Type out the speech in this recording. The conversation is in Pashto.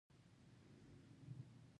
ویل یې موړ یم.